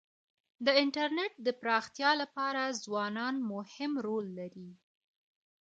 د انټرنيټ د پراختیا لپاره ځوانان مهم رول لري.